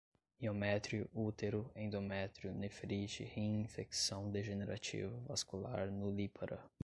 miométrio, útero, endométrio, nefrite, rim, infecção, degenerativo, vascular, nulípara